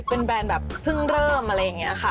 เป็นแบรนด์แบบเพิ่งเริ่มอะไรอย่างนี้ค่ะ